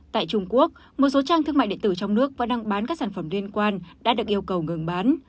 tại trung quốc một số trang thương mại điện tử trong nước vẫn đang bán các sản phẩm liên quan đã được yêu cầu ngừng bán